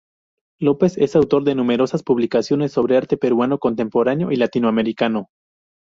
López es autor de numerosas publicaciones sobre arte peruano contemporáneo y latinoamericano.